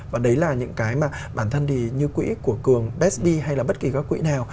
và đấy là những cái mà bản thân thì như quỹ của cường besd hay là bất kỳ các quỹ nào